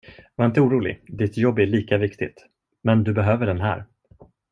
Var inte orolig, ditt jobb är lika viktigt, men du behöver den här.